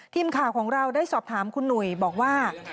ทีมข่าวของเราได้สอบถามคุณหนุ่ยบอกว่า